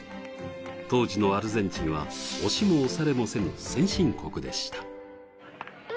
当時のアルゼンチンは押しも押されもせぬ先進国でした。